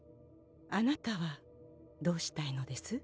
あなたはどうしたいのです？